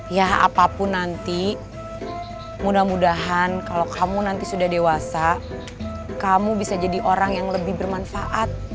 ya apapun nanti mudah mudahan kalau kamu nanti sudah dewasa kamu bisa jadi orang yang lebih bermanfaat